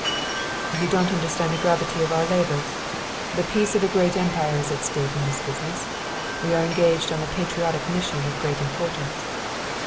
"You don't understand the gravity of our labors. The peace of a great Empire is at stake in this business. We are engaged on a patriotic mission of great importance."